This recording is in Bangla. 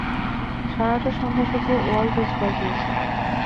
সারাটা সন্ধ্যা শুধু ওয়াল্টজ বাজিয়েছে।